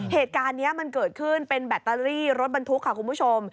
เหตุการณ์นี้มันเกิดขึ้นเป็นแบตเตอรี่รถบรรทุกค่ะคุณผู้ชม